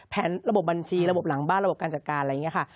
ระบบบัญชีระบบหลังบ้านระบบการจัดการอะไรอย่างนี้ค่ะ